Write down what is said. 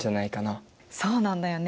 そうなんだよね。